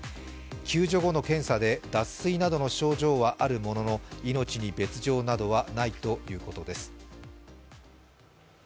救助後の検査で脱水などの症状はあるものの命に別状などはないということです。